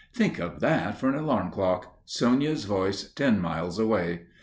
Think of that for an alarm clock Sonia's voice, ten miles away!